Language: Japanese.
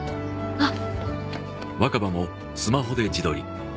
あっ